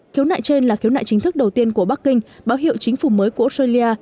khiếu nại trên là khiếu nại chính thức đầu tiên của bắc kinh báo hiệu chính phủ mới của australia